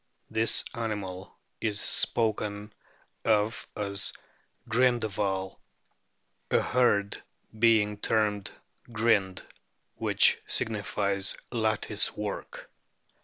The animal is spoken of as " Grindehval," a herd being: termed "Grind/ which signifies lattice work.